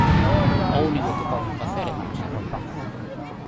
O único que poden facer é marchar.